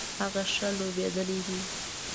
هغه ښه لوبیدلی دی